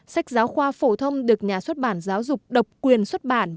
sách giáo khoa phổ thông được nhà xuất bản giáo dục độc quyền xuất bản